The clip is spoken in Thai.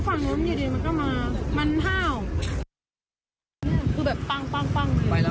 ฝั่งนู้นอยู่ดีมันก็มามันห้าวคือแบบปั้งปั้งปั้งเลย